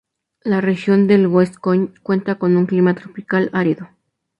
La región de Gascoyne cuenta con un clima tropical árido.